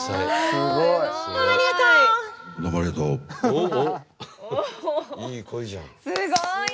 すごい！